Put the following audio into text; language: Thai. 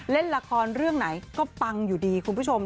เล่นละครเรื่องไหนก็ปังอยู่ดีคุณผู้ชม